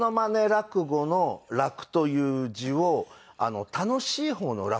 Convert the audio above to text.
落語の「落」という字を楽しい方の「楽」にしまして。